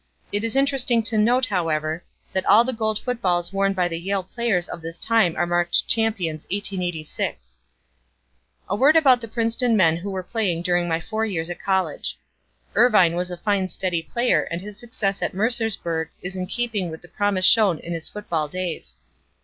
It is interesting to note, however, that all the gold footballs worn by the Yale players of this game are marked 'Champions, 1886.' "A word about the Princeton men who were playing during my four years at college. "Irvine was a fine steady player and his success at Mercersburg is in keeping with the promise shown in his football days.